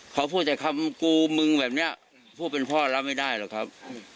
เขาพูดแต่คำกูมึงแบบนี้ผู้เป็นพ่อรับไม่ได้หรอกครับ